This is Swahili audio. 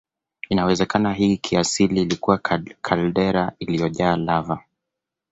Inawezekana hii kiasili ilikuwa kaldera iliyojaa lava